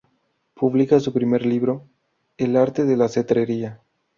Publica su primer libro, "El arte de la cetrería".